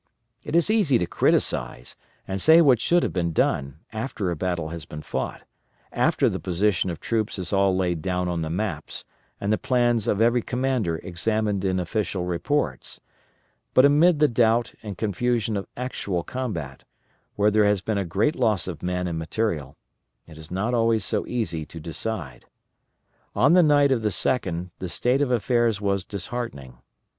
It is easy to criticise, and say what should have been done, after a battle has been fought, after the position of troops is all laid down on the maps, and the plans of every commander explained in official reports; but amid the doubt and confusion of actual combat, where there has been great loss of men and material, it is not always so easy to decide. On the night of the 2d the state of affairs was disheartening.